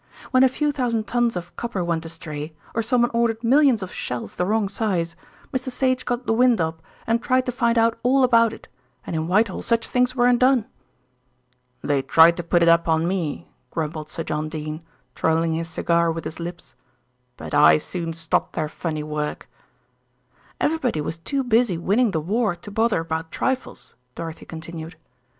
"When a few thousand tons of copper went astray, or someone ordered millions of shells the wrong size, Mr. Sage got the wind up, and tried to find out all about it, and in Whitehall such things weren't done." "They tried to put it up on me," grumbled Sir John Dene, twirling his cigar with his lips, "but I soon stopped their funny work." "Everybody was too busy winning the war to bother about trifles," Dorothy continued.